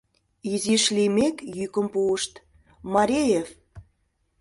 Изиш лиймек, йӱкым пуышт: «Мареев!..